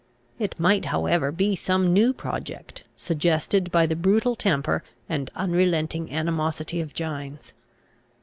It might however be some new project, suggested by the brutal temper and unrelenting animosity of Gines.